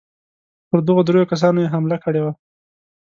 پر دغو درېو کسانو یې حمله کړې وه.